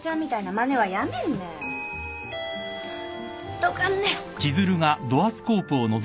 どかんね。